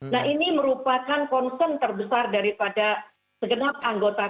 nah ini merupakan concern terbesar daripada segenap anggota dpr